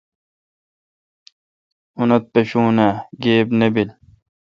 اونتھ پشون اؘ گیب نہ بیل۔